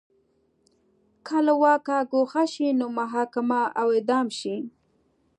که له واکه ګوښه شي نو محاکمه او اعدام شي